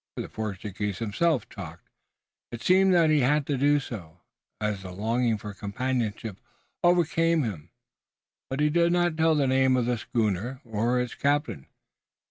The Portuguese himself talked it seemed that he had to do so, as the longing for companionship overcame him but he did not tell the name of the schooner or its captain.